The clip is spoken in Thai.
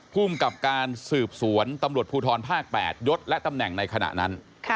ภูมิกับการสืบสวนตำรวจภูทรภาค๘ยศและตำแหน่งในขณะนั้น